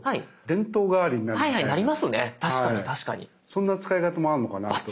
そんな使い方もあるのかなと。